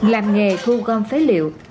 làm nghề thu gom phế liệu